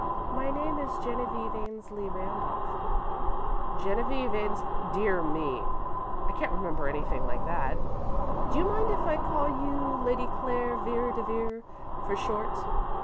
"My name is Genevieve Ainslee Randolph." "Genevieve Ains dear me! I can't remember anything like that. Do you mind if I call you Lady Clara Vere de Vere for short?"